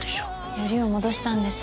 ヨリを戻したんです。